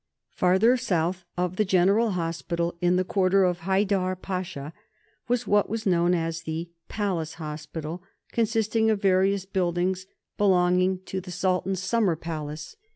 Farther south of the General Hospital, in the quarter of Haidar Pasha, was what was known as The Palace Hospital, consisting of various buildings belonging to the Sultan's Summer Palace.